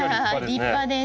立派です。